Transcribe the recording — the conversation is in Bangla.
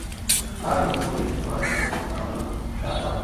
তাঁরা নির্বাচনের পরিবেশ নিশ্চিত করার জন্য তফসিল পেছানোর অনুরোধ জানাতে পারেন।